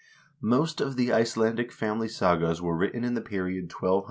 Most of the Icelandic family sagas were written in the period 1200 1300.